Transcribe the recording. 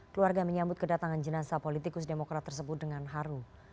keluarga menyambut kedatangan jenazah politikus demokrat tersebut dengan haru